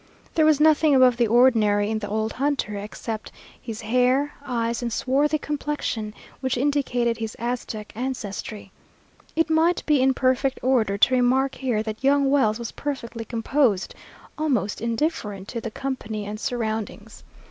There was nothing above the ordinary in the old hunter, except his hair, eyes, and swarthy complexion, which indicated his Aztec ancestry. It might be in perfect order to remark here that young Wells was perfectly composed, almost indifferent to the company and surroundings.